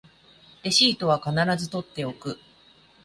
レシートは必ず取っておく